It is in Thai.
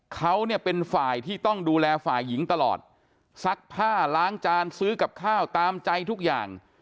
เขาเนี่ยเป็นฝ่ายที่ต้องดูแลฝ่ายหญิงตลอดซักผ้าล้างจานซื้อกับข้าวตามใจทุกอย่าง